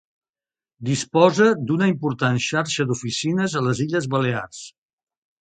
Disposa d'una important xarxa d'oficines a les Illes Balears.